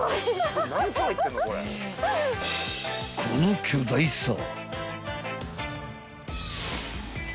［この巨大さ］